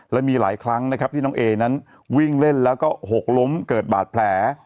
และมีหลายครั้งนะครับที่น้องเอนั้นวิ่งเล่นแล้วก็หกล้มเกิดบาดแผล